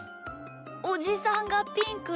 おじさんがピンクだと。